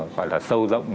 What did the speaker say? gọi là sâu rộng